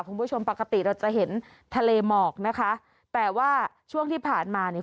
คุณผู้ชมปกติเราจะเห็นทะเลหมอกนะคะแต่ว่าช่วงที่ผ่านมาเนี่ย